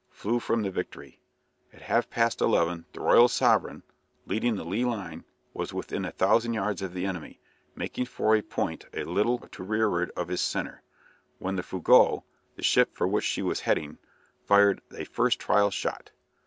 _" flew from the "Victory." At half past eleven the "Royal Sovereign," leading the lee line, was within a thousand yards of the enemy, making for a point a little to rearward of his centre, when the "Fougueux," the ship for which she was heading, fired a first trial shot.